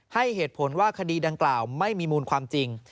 ให้เหตุผลว่าคดีดังกล่าวไม่มีมูลความจริง